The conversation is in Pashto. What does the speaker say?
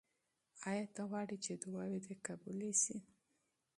آیا ته غواړې چې دعاوې دې قبولې شي؟